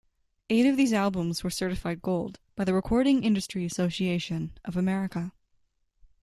Eight of these albums were certified gold by the Recording Industry Association of America.